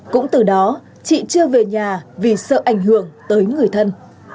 cũng từ đó chị chưa về nhà vì sợ ảnh hưởng tới người thân